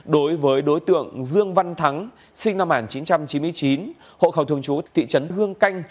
đối với đối tượng dương văn thắng sinh năm một nghìn chín trăm chín mươi chín hộ khẩu thường chú thị trấn hương canh